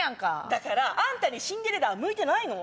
だからあんたにシンデレラは向いてないの。